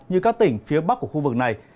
như các tỉnh phía bắc của khu vực này